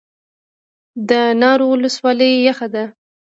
د ناور ولسوالۍ یخه ده